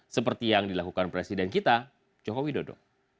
seperti yang dilakukan presiden kita jokowi dodo